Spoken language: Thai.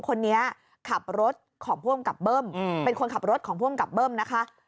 คนนี้ขับรถของผู้กำกับเบิ้มเป็นคนขับรถของผู้กำกับเบิ้มนะคะ